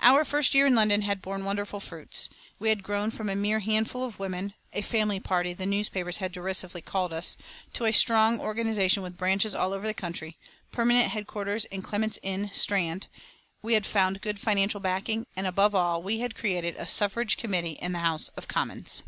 Our first year in London had borne wonderful fruits. We had grown from a mere handful of women, a "family party" the newspapers had derisively called us, to a strong organisation with branches all over the country, permanent headquarters in Clements Inn, Strand; we had found good financial backing, and above all, we had created a suffrage committee in the House of Commons.